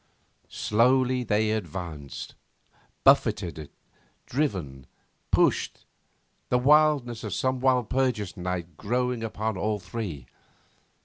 Slowly they advanced, buffeted, driven, pushed, the wildness of some Walpurgis night growing upon all three.